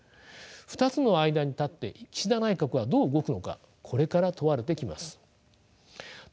２つの間に立って岸田内閣はどう動くのかこれから問われてきます。